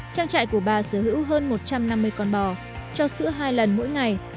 trang trại của bà sở hữu hơn một trăm năm mươi con bò cho sữa hai lần mỗi ngày